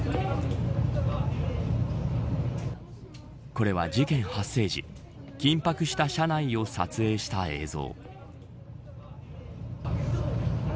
これは事件発生時緊迫した車内を撮影した映像。